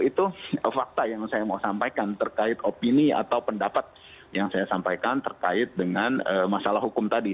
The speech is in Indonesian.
itu fakta yang saya mau sampaikan terkait opini atau pendapat yang saya sampaikan terkait dengan masalah hukum tadi